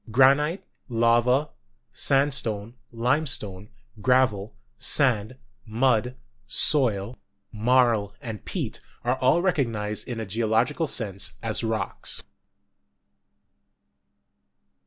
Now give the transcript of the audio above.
Granite, lava, sand stone, limestone, gravel, sand, mud, soil, marl and peat, are all recognised in a geological sense as rocks.